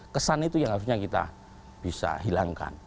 kesan itu yang harusnya kita bisa hilangkan